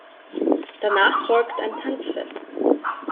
Danach folgt ein Tanzfest.